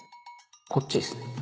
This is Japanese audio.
こっちですね